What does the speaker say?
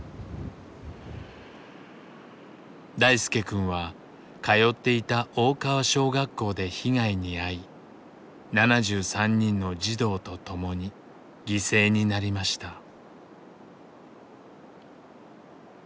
大輔くんは通っていた大川小学校で被害に遭い７３人の児童と共に犠牲になりました。